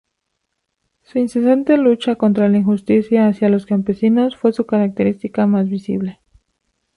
Su incesante lucha contra la injusticia hacia los campesinos fue su característica más visible.